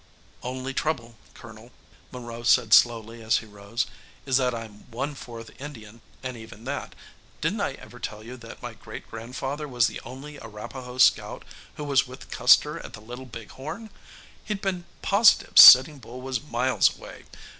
"Only trouble, Colonel," Monroe said slowly as he rose, "is that I'm one fourth Indian and even that.... Didn't I ever tell you that my great grandfather was the only Arapahoe scout who was with Custer at the Little Big Horn? He'd been positive Sitting Bull was miles away.